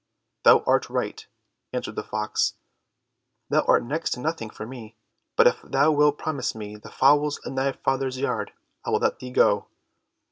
"Thou art right," answered the fox. "Thou art next to nothing for me, but if thou wilt promise me the fowls in thy father's yard I will let thee go."